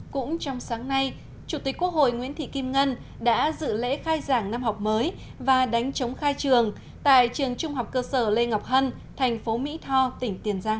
cũng trong sáng nay chủ tịch quốc hội nguyễn thị kim ngân đã dự lễ khai giảng năm học mới và đánh chống khai trường tại trường trung học cơ sở lê ngọc hân thành phố mỹ tho tỉnh tiền giang